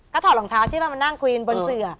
ก็ถอดหลองเท้าใช่ป่ะมานั่งควีนบนเสือ